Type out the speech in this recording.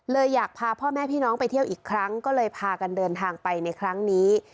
อยากพาพ่อแม่พี่น้องไปเที่ยวอีกครั้งก็เลยพากันเดินทางไปในครั้งนี้